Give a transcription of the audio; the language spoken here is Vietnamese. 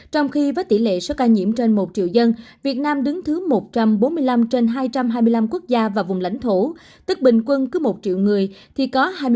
trong khi với tỷ lệ số ca nhiễm trên một triệu dân việt nam đứng thứ một trăm bốn mươi năm trên hai trăm hai mươi năm quốc gia và vùng lãnh thổ tức bình quân cứ một triệu người thì có hai mươi bốn sáu trăm một mươi sáu ca nhiễm